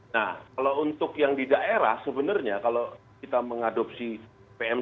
nah kalau untuk yang di daerah sebenarnya kalau kita mengadopsi pmk